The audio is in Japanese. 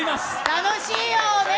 楽しいよ、ね？